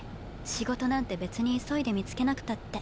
仕事なんて別に急いで見つけなくたって。